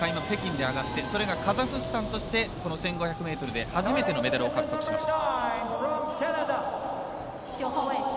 北京で上がってカザフスタンとして１５００ｍで初めてのメダルを獲得しました。